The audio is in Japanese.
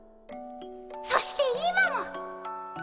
そして今も。